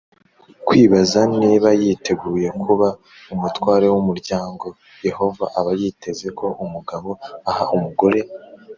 kwibaza niba yiteguye kuba umutware w umuryango Yehova aba yiteze ko umugabo aha umugore